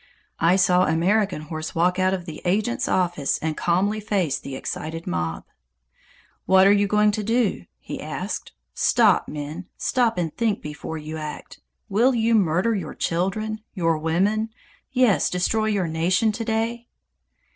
I saw American Horse walk out of the agent's office and calmly face the excited mob. "What are you going to do?" he asked. "Stop, men, stop and think before you act! Will you murder your children, your women, yes, destroy your nation to day?"